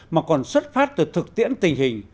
mà còn xuất phát từ thực tiễn tình hình